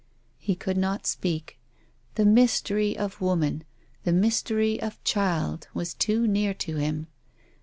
He could not speak. The mystery of woman, the mystery of child was too near to him.